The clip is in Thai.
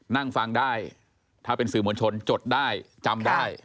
นั่งฟังได้ถ้าเป็นสื่อมวลชนจดได้จำได้